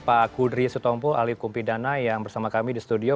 pak kudri sutompul ahli hukum pidana yang bersama kami di studio